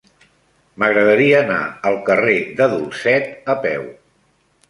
M'agradaria anar al carrer de Dulcet a peu.